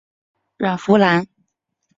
阮福澜。